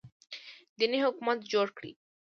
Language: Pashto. دیني حکومت جوړ کړي